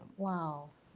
lebih daripada izin pak enan